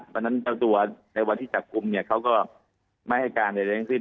เพราะฉะนั้นตัวในวันที่จับกลุ่มเขาก็ไม่ให้การใดสิ้นนะครับ